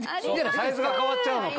サイズが変わっちゃうのか。